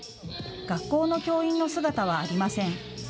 学校の教員の姿はありません。